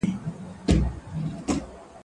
واښه راوړه!